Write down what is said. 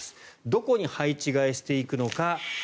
どこに配置換えしていくのか。